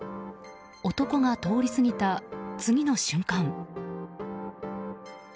男が通り過ぎた次の瞬間。